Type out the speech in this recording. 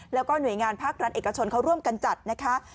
แล้วก็หน่วยงานภาครัฐเอกชนเขาร่วมกันจัดนะคะ